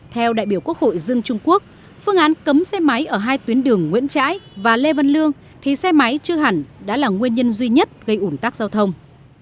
theo đại biểu quốc hội dương trung quốc phương án cấm xe máy ở hai tuyến đường nguyễn trãi và lê vân lương thì xe máy chưa hẳn đã là nguyên nhân duy nhất gây ủn tắc giao thông